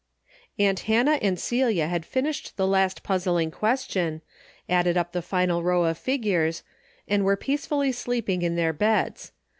Aunt Hannah and Celia had finished the last puzzling question, added up the final row of figures, and were peacefully sleeping in their beds.